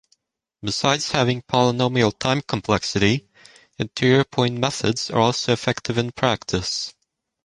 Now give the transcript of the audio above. Besides having polynomial time complexity, interior-point methods are also effective in practice.